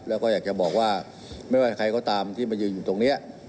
แล้วก็อยากจะบอกว่าไม่ว่าใครก็ตามที่มายืนอยู่ตรงนี้